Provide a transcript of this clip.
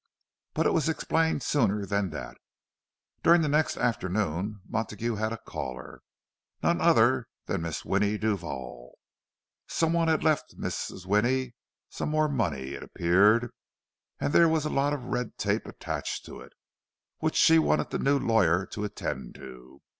But it was explained sooner than that. During the next afternoon Montague had a caller—none other than Mrs. Winnie Duval. Some one had left Mrs. Winnie some more money, it appeared; and there was a lot of red tape attached to it, which she wanted the new lawyer to attend to.